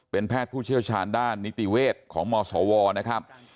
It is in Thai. เป็นแพทย์ผู้เชี่ยวชาญด้านนิติเวชของมศวนะครับ